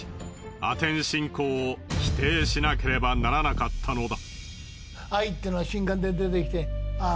アテン信仰を否定しなければならなかったのだ。